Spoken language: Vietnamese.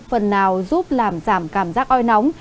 phần nào giúp làm giảm cảm giác oi nóng